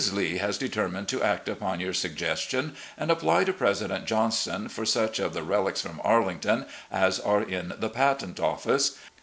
Lee has determined to act upon your suggestion and apply to President Johnson for such of the relics from Arlington as are in the Patent Office.